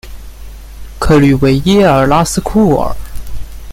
克吕维耶尔拉斯库尔。